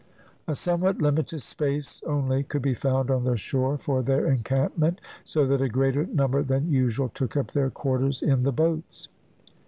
A somewhat limited space only could be found on the shore for their encampment, so that a greater number than usual took up their quarters in the boats.